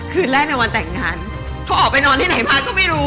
คืนแรกในวันแต่งงานเขาออกไปนอนที่ไหนมาก็ไม่รู้